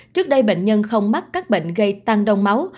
trước đây bệnh nhân không mắc các bệnh gây tăng đông máu